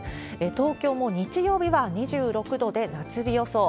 東京も日曜日は２６度で夏日予想。